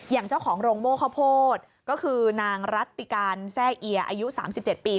อย่างเจ้าของโรงโม่ข้าวโพดก็คือนางรัติการแซ่เอียอายุ๓๗ปี